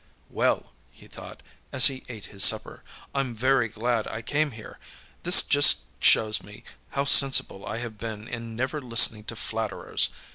âWell!â he thought, as he ate his supper, âIâm very glad I came here. This just shows me how sensible I have been in never listening to flatterers.